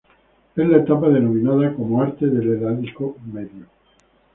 Es la etapa denominada como arte del Heládico Medio.